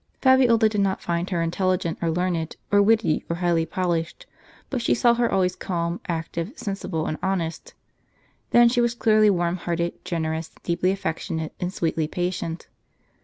Fabiola did not find her intelligent, or learned, or witty, or highly polished; but she saw her always calm, active, sensible, and honest. Then she was clearly warm hearted, generous, deeply affectionate, and sweetly patient.